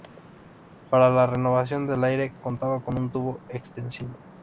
Para la renovación del aire contaba con un tubo extensible.